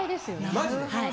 マジで？